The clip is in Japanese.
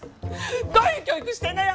どういう教育してんのよ！